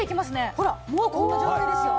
ほらもうこんな状態ですよ。